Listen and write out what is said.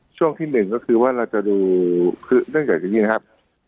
ช่วงที่๑ก็คือว่าเราจะดูเรื่องใหญ่จากนี้นะครับ